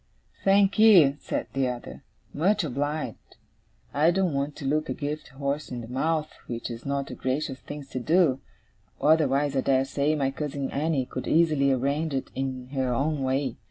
'Thank'ee,' said the other. 'Much obliged. I don't want to look a gift horse in the mouth, which is not a gracious thing to do; otherwise, I dare say, my cousin Annie could easily arrange it in her own way.